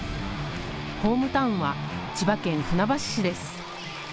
ホームタウンは千葉県船橋市です。